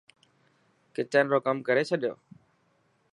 ڪچن رو ڪم ڪري ڇڏيو.